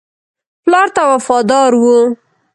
پلار ته وفادار وو.